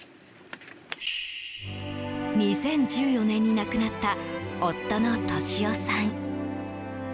２０１４年に亡くなった夫の利夫さん。